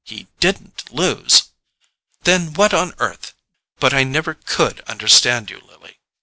He DIDN'T lose? Then what on earth—but I never COULD understand you, Lily!"